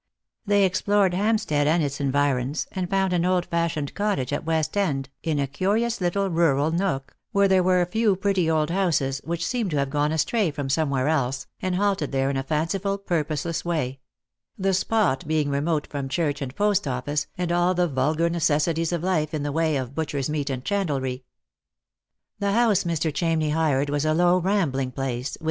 They explored Hampstead and its environs, and found an old fashioned cottage at West end, in a curious little rural nook, where there were a few pretty old houses, which seemed to have gone astray from somewhere else, and halted there in a fanciful purposeless way ; the spot being remote from church and post office, and all the vulgar necessities of life in the way of but cher's meat and chandlery. The house Mr. Chamney hired was a low rambling place, witu.